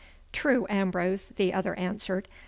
'True, Ambrose,' the other answered.